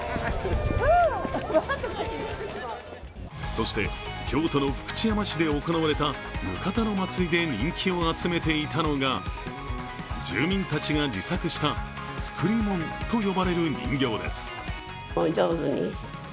そして、京都の福知山市で行われた額田の祭りで人気を集めていたのが、住民たちが自作したつくりもんと呼ばれる人形です。